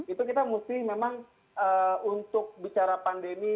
itu kita mesti memang untuk bicara pandemi